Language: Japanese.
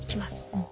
うん。